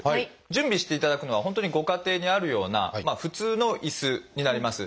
準備していただくのは本当にご家庭にあるような普通の椅子になります。